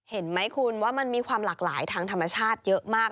เห็นไหมคุณว่ามันมีความหลากหลายทางธรรมชาติเยอะมาก